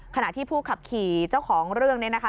ขณะที่ผู้ขับขี่เจ้าของเรื่องนี้นะคะ